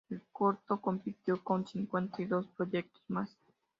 El corto compitió con cincuenta y dos proyectos más.